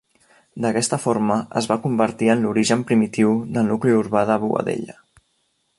D'aquesta forma es va convertir en l'origen primitiu del nucli urbà de Boadella.